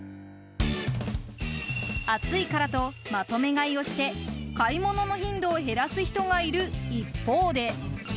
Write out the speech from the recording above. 暑いからとまとめ買いをして買い物の頻度を減らす人がいる一方で。